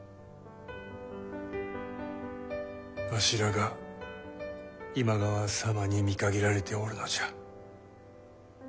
わしらが今川様に見限られておるのじゃ。